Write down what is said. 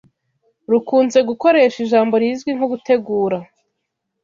rukunze gukoresha ijambo rizwi nko gutegura,